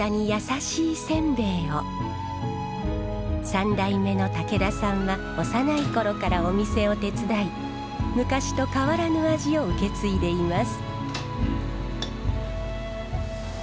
３代目の武田さんは幼い頃からお店を手伝い昔と変わらぬ味を受け継いでいます。